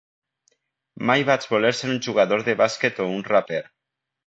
Mai vaig voler ser un jugador de bàsquet o un raper.